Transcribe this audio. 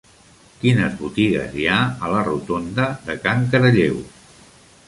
Quines botigues hi ha a la rotonda de Can Caralleu?